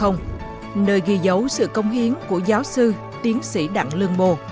nơi ghi dấu sự công hiến của giáo sư tiến sĩ đặng lương bồ